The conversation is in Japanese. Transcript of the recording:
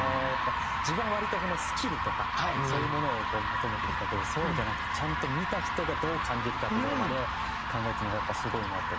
自分は割とスキルとかそういうものを求めてきたけどそうじゃなくてちゃんと見た人がどう感じるかっていうところまで考えてるのがやっぱすごいなって思いましたね。